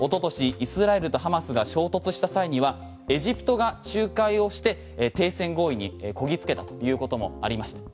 イスラエルとハマスが衝突した際にはエジプトが仲介をして停戦合意にこぎつけたということもありました。